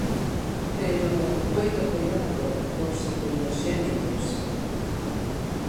Pero, moito coidado cos segundoxénitos.